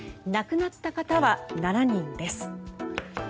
亡くなった方は７人です。